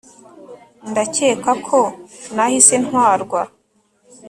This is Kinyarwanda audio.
ndakeka ko nahise ntwarwa